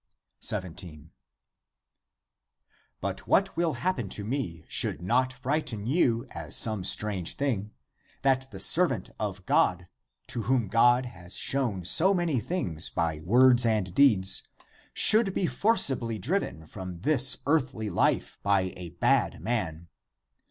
17. *' But what will happen to me should not frighten you as some strange thing, that the servant of God, to whom God has shown so many things by words and deeds, should be forcibly driven from this earthly life by a bad man